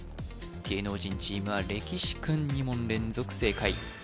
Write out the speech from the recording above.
芸能人チームはれきしクン２問連続正解